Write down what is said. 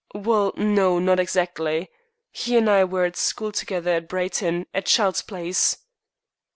"Well, no, not exactly. He and I were at school together at Brighton, at Childe's place."